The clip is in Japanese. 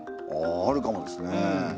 ああるかもですね。